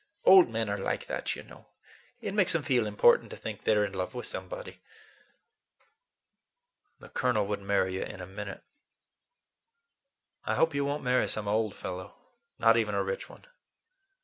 Old men are like that, you know. It makes them feel important to think they're in love with somebody." "The Colonel would marry you in a minute. I hope you won't marry some old fellow; not even a rich one."